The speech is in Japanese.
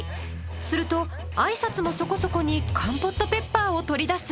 すると挨拶もそこそこにカンポットペッパーを取り出す。